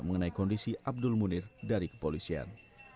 mengenai kondisi abdul munir dari kepolisian